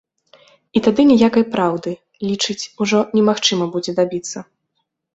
І тады ніякай праўды, лічыць, ужо немагчыма будзе дабіцца.